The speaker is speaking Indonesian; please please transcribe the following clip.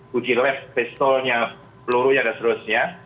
kunci lef pistolnya pelurunya dan seterusnya